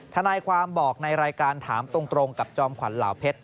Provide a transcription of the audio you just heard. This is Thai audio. ทนายความบอกในรายการถามตรงกับจอมขวัญเหล่าเพชร